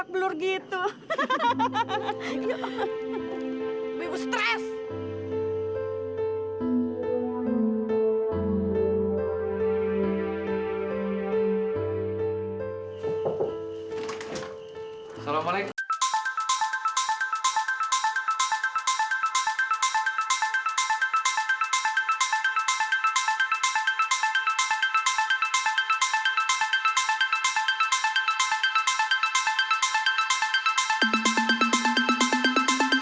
tidak ada yang bisa dianggap